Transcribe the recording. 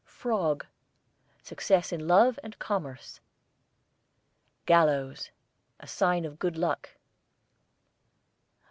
FROG, success in love and commerce. GALLOWS, a sign of good luck.